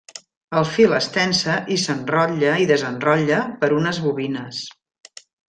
El fil es tensa i s'enrotlla i desenrotlla per unes bobines.